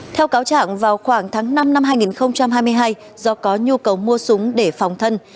theo cáo trạng vào khoảng tháng năm năm hai nghìn hai mươi hai do có nhu cầu mua súng để phòng thân